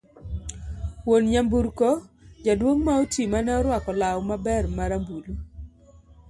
wuon nyamburko, jaduong' ma oti mane orwako law maber ma rambulu